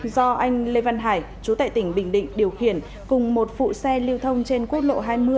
do anh lê văn hải chú tại tỉnh bình định điều khiển cùng một phụ xe lưu thông trên quốc lộ hai mươi